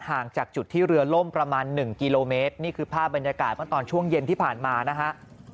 ห่างจากจุดที่เรือล่มประมาณ๑กิโลเมตรนี่คือภาพบรรยากาศเมื่อตอนช่วงเย็นที่ผ่านมานะฮะ